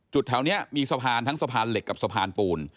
แถวนี้มีสะพานทั้งสะพานเหล็กกับสะพานปูน